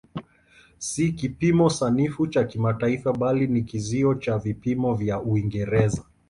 Si kipimo sanifu cha kimataifa bali ni kizio cha vipimo vya Uingereza.